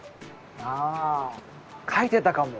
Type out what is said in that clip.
あぁかいてたかも。